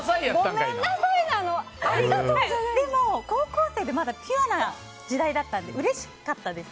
でも高校生で、まだピュアな時代だったんでうれしかったんです。